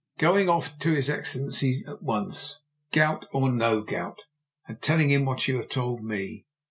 "Going off to his Excellency at once, gout or no gout, and telling him what you have told me.